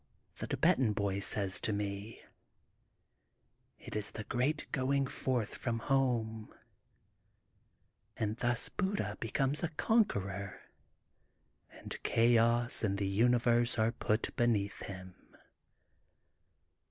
The Thibetan boy says to me :*' It is the * Great Going Forth from Home/ and thus Buddha becomes a conquerer, and Chaos and the Universe are put beneath him.